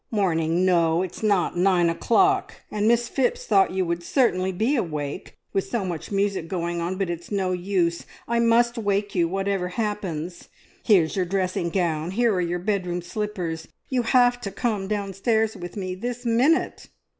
"Morning, no! It is not nine o'clock, and Miss Phipps thought you would certainly be awake, with so much music going on; but it's no use, I must wake you, whatever happens! Here's your dressing gown. Here are your bedroom slippers. You have to come downstairs with me this minute!"